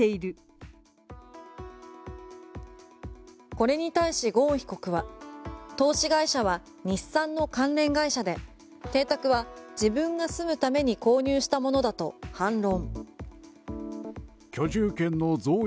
これに対しゴーン被告は投資会社は日産の関連会社で邸宅は自分が住むために購入したものだと反論。